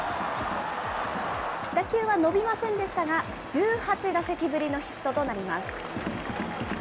打球は伸びませんでしたが、１８打席ぶりのヒットとなります。